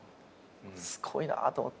すごいなと思って。